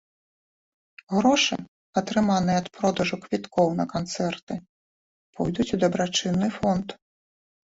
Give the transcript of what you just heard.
Грошы, атрыманыя ад продажу квіткоў на канцэрты, пойдуць у дабрачынны фонд.